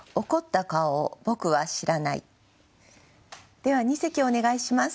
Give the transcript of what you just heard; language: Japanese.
では二席お願いします。